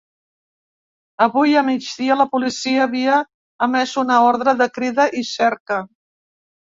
Avui a migdia la policia havia emès una ordre de crida i cerca.